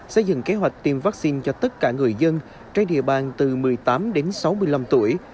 xây dựng kế hoạch tiêm vaccine cho tất cả người dân trên địa bàn từ một mươi tám đến sáu mươi năm tuổi